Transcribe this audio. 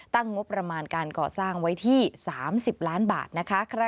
ตั้งงบประมาณการก่อสร้างไว้ที่๓๐ล้านบาทนะคะ